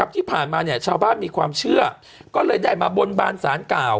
ทำจนที่ผ่านมาเนี่ยชาวบ้านมีความเชื่อก็เลยได้มาบ้นบรรสารเก่า